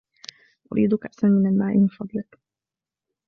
أريد كأسا من الماء من فضلك.